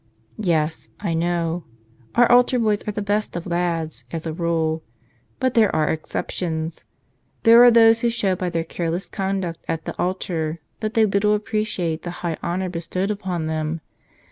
Yes; I know. Our altar boys are the best of lads — as a rule. But there are exceptions. There are those who show by their careless conduct at the altar that they little appreciate the high honor bestowed upon them.